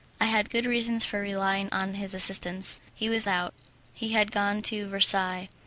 I had good reasons for relying on his assistance. He was out; he had gone to Versailles.